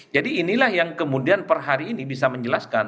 inilah yang kemudian per hari ini bisa menjelaskan